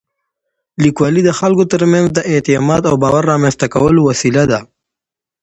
لیکوالی د خلکو تر منځ د اعتماد او باور رامنځته کولو وسیله ده.